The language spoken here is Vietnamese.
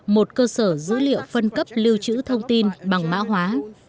một cơ sở dữ liệu phân cấp lưu trữ thông tin bằng mã hóa